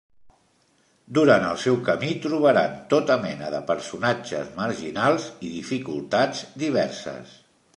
Durant el seu camí trobaran tota mena de personatges marginals i dificultats diverses.